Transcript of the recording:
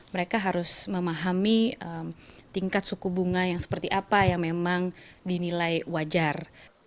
mereka harus memahami tingkat suku bunga yang seperti apa yang memang dinilai wajar